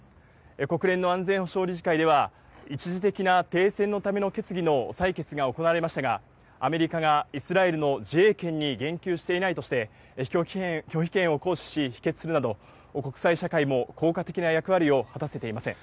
国連の安全保障理事会では一時的な停戦のための決議の採決が行われましたが、アメリカがイスラエルの自衛権に言及していないとして、拒否権を行使し、否決するなど、国際社会も効果的な役割を果たせていません。